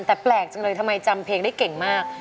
แต่แปลกจังเลยทำไมจำเพลงได้เก่งมาก